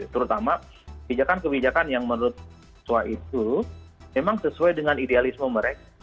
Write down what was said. terutama kebijakan kebijakan yang menurut swa itu memang sesuai dengan idealisme mereka